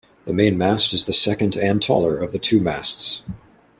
The main mast is the second and taller of the two masts.